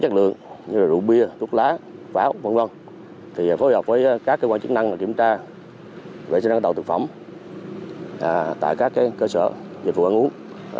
vệ sinh an toàn thực phẩm tại các cơ sở dịch vụ ăn uống